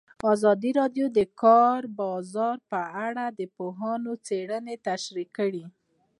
ازادي راډیو د د کار بازار په اړه د پوهانو څېړنې تشریح کړې.